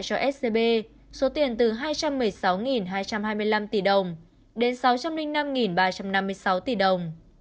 cho scb số tiền từ hai trăm một mươi sáu hai trăm hai mươi năm tỷ đồng đến sáu trăm linh năm ba trăm năm mươi sáu tỷ đồng